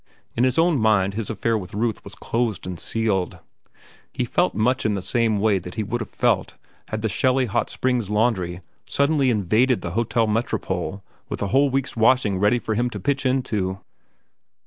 In his own mind his affair with Ruth was closed and sealed. He felt much in the same way that he would have felt had the Shelly Hot Springs Laundry suddenly invaded the Hotel Metropole with a whole week's washing ready for him to pitch into.